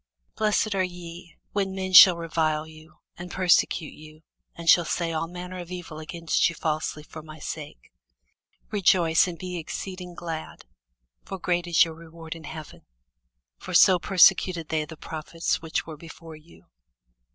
Blessed are ye, when men shall revile you, and persecute you, and shall say all manner of evil against you falsely, for my sake. Rejoice, and be exceeding glad: for great is your reward in heaven: for so persecuted they the prophets which were before you.